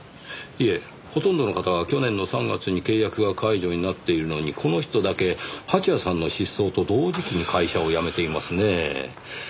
いえほとんどの方は去年の３月に契約が解除になっているのにこの人だけ蜂矢さんの失踪と同時期に会社を辞めていますねぇ。